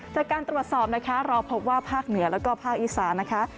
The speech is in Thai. จากการตรวจสอบนะคะเราพบว่าภาคเหนือแล้วก็ภาคอีสานนะคะ